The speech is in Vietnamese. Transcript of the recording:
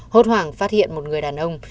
hỗn hoảng phát hiện một người đàn ông